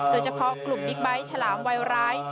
โดยเฉพาะกลุ่มบิ๊กบิ๊กชะลามไวว์ร้าย